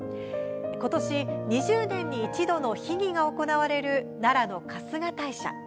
今年２０年に一度の秘儀が行われる奈良の春日大社。